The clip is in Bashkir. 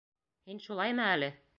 Һин шулаймы әле?!